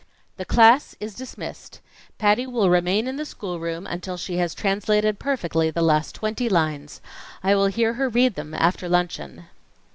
"The class is dismissed. Patty will remain in the schoolroom until she has translated perfectly the last twenty lines. I will hear her read them after luncheon."